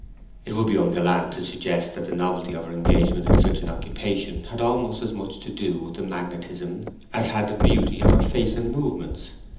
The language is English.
It would be ungallant to suggest that the novelty of her engagement in such an occupation had almost as much to do with the magnetism as had the beauty of her face and movements.